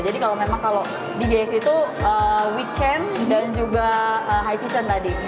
jadi kalau memang kalau di bxc itu weekend dan juga high season tadi